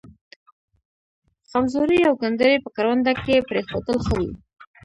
خمزوري او گنډري په کرونده کې پرېښودل ښه وي.